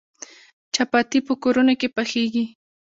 چپاتي په کورونو کې پخیږي.